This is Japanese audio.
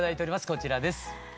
こちらです。